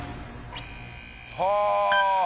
はあ！